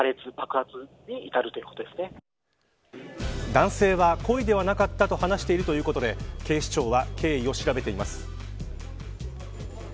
男性は故意ではなかったと話しているということで警視庁は経緯を調べています。